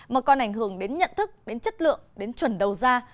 mà còn ảnh hưởng đến nhận thức đến chất lượng đến chuẩn đầu ra